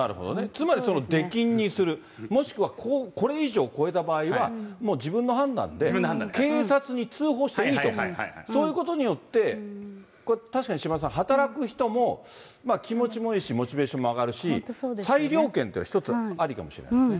つまりその出禁にする、もしくはこれ以上超えた場合はもう自分の判断で、警察に通報していいと、そういうことによって、これ、確かに島田さん、働く人も気持ちもいいし、モチベーションも上がるし、裁量権って一つ、ありかもしれないですね。